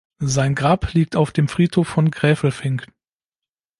Sein Grab liegt auf dem Friedhof von Gräfelfing.